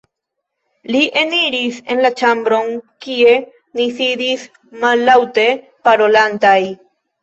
Li eniris en la ĉambron, kie ni sidis mallaŭte parolantaj.